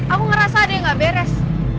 aku ngerasa dia gak beres